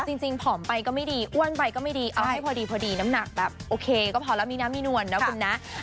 จริงผอมไปก็ไม่ดีอ้วนไปก็ไม่ดีเอาให้พอดีพอดีน้ำหนักแบบโอเคก็พอแล้วมีนะมีนวลนะคุณนะ